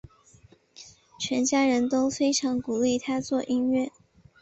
全家人都非常鼓励他做音乐。